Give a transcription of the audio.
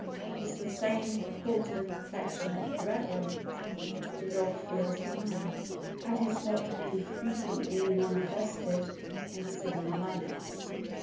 It is the same sort of affectionate reverence which a dog feels for man, and is not infrequently manifested in a similar manner.